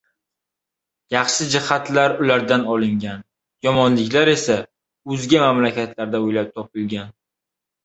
yaxshi jihatlar ulardan olingan, yomonliklar esa o‘zga mamlakatlarda o‘ylab topilgan